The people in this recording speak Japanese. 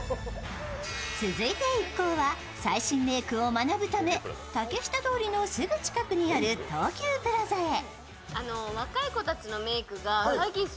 続いて一行は最新メークを学ぶため竹下通りのすぐ近くにある東急プラザへ。